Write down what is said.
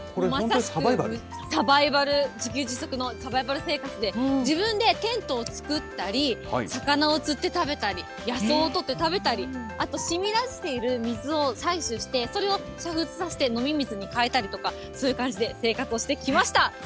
サバイバル、自給自足のサバイバル生活で、自分でテントを作ったり、魚を釣って食べたり、野草を取って食べたり、あと、しみ出している水を採取して、それを煮沸させて飲み水にかえたりとか、そういう感じで生活をしてきました。